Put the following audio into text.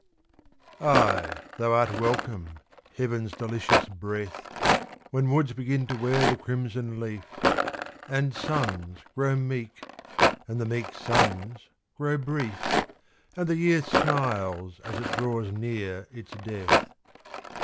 Ay, thou art welcome, heaven's delicious breath, When woods begin to wear the crimson leaf, And suns grow meek, and the meek suns grow brief, And the year smiles as it draws near its death.